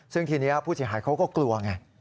ซึ่งทีนี้ผู้เสียหายเขาก็กลัวไง